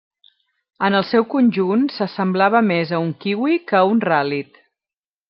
En el seu conjunt s'assemblava més a un kiwi que a un ràl·lid.